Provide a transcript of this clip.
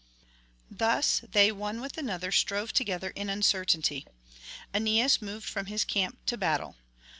Thus they one with another strove together in uncertainty; Aeneas moved from his camp to battle.